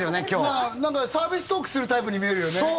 今日何かサービストークするタイプに見えるよね